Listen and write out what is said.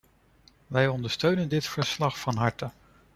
Wij ondersteunen dit verslag van harte.